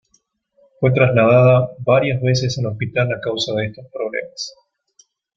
Fue trasladada varia veces al hospital a causa de estos problemas.